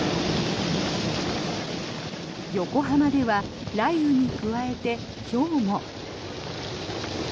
横浜では雷雨に加えてひょうも。